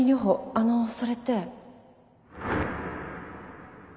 あのそれって。